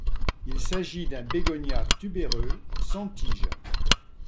Il s'agit d'un bégonia tubéreux, sans tige.